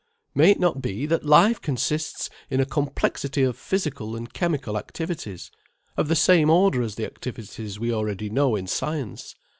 May it not be that life consists in a complexity of physical and chemical activities, of the same order as the activities we already know in science?